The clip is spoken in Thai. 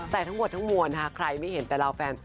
แต่ทั้งหมดทั้งมวลนะคะใครไม่เห็นแต่เราแฟน